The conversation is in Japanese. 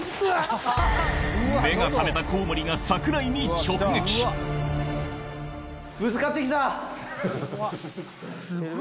目が覚めたコウモリが櫻井にぶつかってきた！